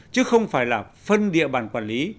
chứ không phải là phân địa bàn quản lý